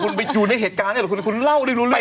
คุณอยู่ในเหตุการณ์นั้นหรือคุณเล่าได้รู้เรื่องอะไร